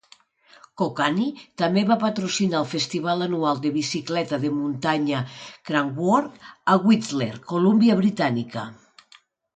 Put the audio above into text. Kokanee també va patrocinar el festival anual de bicicleta de muntanya Crankworx a Whistler, Colúmbia Britànica.